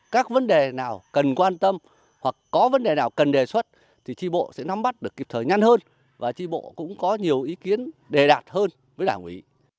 các vấn đề nào cần quan tâm hoặc có vấn đề nào cần đề xuất thì tri bộ sẽ nắm bắt được kịp thời ngăn hơn và tri bộ cũng có nhiều ý kiến đề đạt hơn với đảng ủy